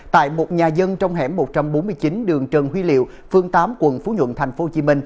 tại một nhà dân trong hẻm một trăm bốn mươi chín đường trần huy liệu phương tám quận phú nhuận tp hcm